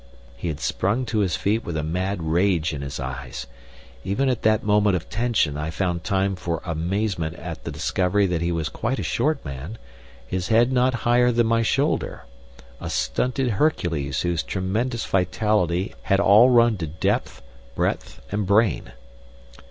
He had sprung to his feet with a mad rage in his eyes. Even at that moment of tension I found time for amazement at the discovery that he was quite a short man, his head not higher than my shoulder a stunted Hercules whose tremendous vitality had all run to depth, breadth, and brain.